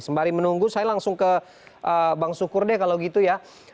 sembari menunggu saya langsung ke bang sukur deh kalau gitu ya